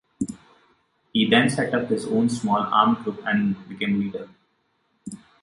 He then set up his own small armed group and became leader.